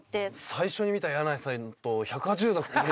最初に見た箭内さんと１８０度。